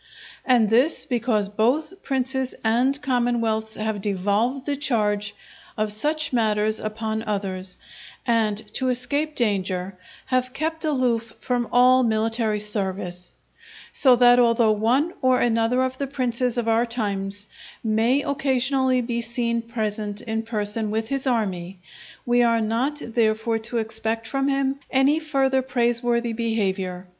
And this because both princes and commonwealths have devolved the charge of such matters upon others, and, to escape danger, have kept aloof from all military service; so that although one or another of the princes of our times may occasionally be seen present in person with his army, we are not therefore to expect from him any further praiseworthy behaviour.